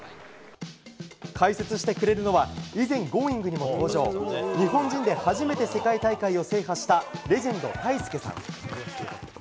解説してくれるのは以前、「Ｇｏｉｎｇ！」にも登場日本人で初めて世界大会を制覇したレジェンド、タイスケさん。